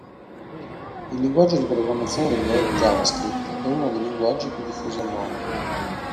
Il linguaggio di programmazione del Web, JavaScript, è uno dei linguaggi più diffusi al mondo.